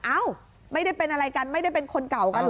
เอ้าไม่ได้เป็นอะไรกันไม่ได้เป็นคนเก่ากันเหรอ